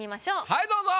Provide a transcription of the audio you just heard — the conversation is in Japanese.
はいどうぞ。